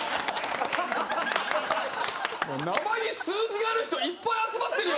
名前に数字がある人いっぱい集まってるよ。